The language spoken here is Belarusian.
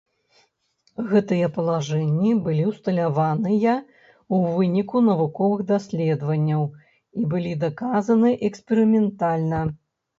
Гэтыя палажэнні былі ўсталяваныя ў выніку навуковых даследаванняў і былі даказаны эксперыментальна.